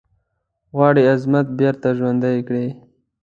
غواړي عظمت بیرته ژوندی کړی.